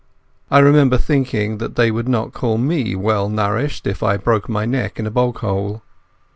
I remember thinking that they would not call me well nourished if I broke my neck in a bog hole.